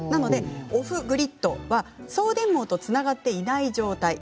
オフグリッドは送電網とつながっていない状態。